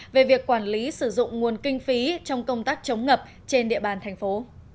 về việc quản lý sử dụng nguồn kinh phí trong công tác chống ngập trên địa bàn thành phố